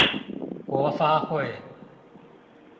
國發會